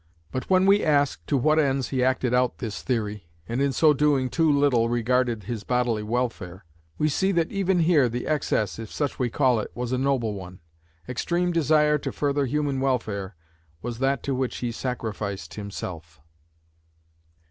But when we ask to what ends he acted out this theory, and in so doing too little regarded his bodily welfare, we see that even here the excess, if such we call it, was a noble one. Extreme desire to further human welfare was that to which he sacrificed himself.